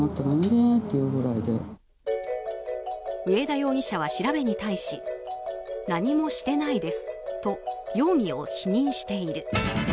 上田容疑者は調べに対し何もしてないですと容疑を否認している。